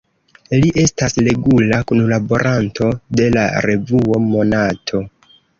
Li estas regula kunlaboranto de la revuo Monato.